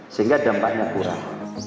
sehingga dampaknya kurang